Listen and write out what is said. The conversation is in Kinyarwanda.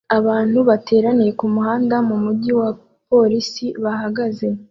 Abantu bateraniye kumuhanda numujyi wa polisi bahageze